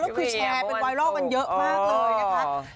ก็คือแชร์เป็นไวรัลกันเยอะมากเลยนะคะ